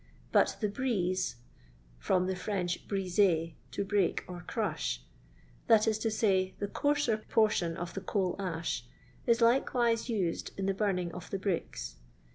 But the " brieze " (firom the French hriter, to break or crush), that is to say, the coarser portion of the coal aah, i» like wise used in the burning of the bricks.